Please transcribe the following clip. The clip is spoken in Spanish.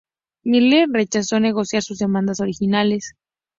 Milner rechazó negociar sus demandas originales.